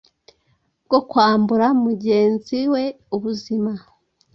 bwo kwambura mugenzi we ubuzima.